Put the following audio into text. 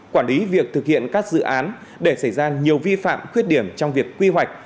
quản lý việc thực hiện các dự án để xảy ra nhiều vi phạm khuyết điểm trong việc quy hoạch